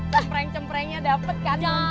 cempreng cemprengnya dapet kan